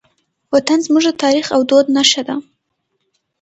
وطن زموږ د تاریخ او دود نښه ده.